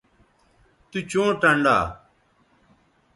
تو چوں ٹنڈا